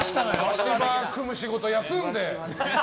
足場組む仕事休んで。